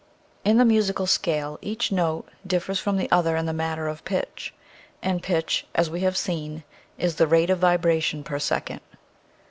In the musical scale each note differs from the other in the matter of pitch; and pitch, as we have seen, is the rate of vibration per second.